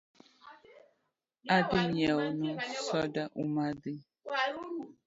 Adhi nyieo nu soda umadhi